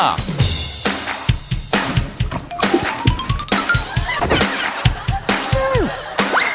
โอเคไปพร้อมกัน